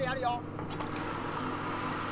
いやこれちょっと待って。